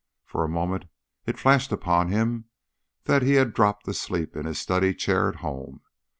For a moment it flashed upon him that he had dropped asleep in his study chair at home.